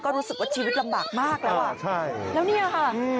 ก็รู้สึกว่าชีวิตลำบากมากแล้วอ่าใช่